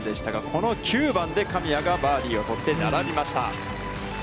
この９番で神谷がバーディーを取って並びました。